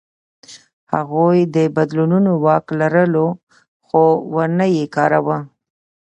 هغوی د بدلونو واک لرلو، خو ونه یې کاراوه.